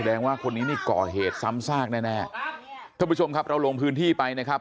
ว่าคนนี้นี่ก่อเหตุซ้ำซากแน่แน่ท่านผู้ชมครับเราลงพื้นที่ไปนะครับ